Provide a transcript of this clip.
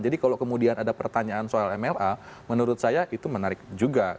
kalau kemudian ada pertanyaan soal mla menurut saya itu menarik juga